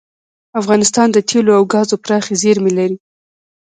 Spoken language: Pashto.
افغانستان د تیلو او ګازو پراخې زیرمې لري.